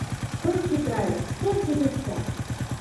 Столькі драйва, столькі жыцця!